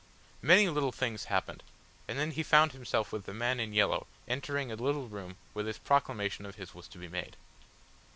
Many little things happened, and then he found himself with the man in yellow entering a little room where this proclamation of his was to be made.